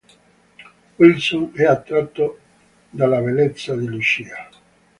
Wilson è attratto dalla bellezza di Lucia.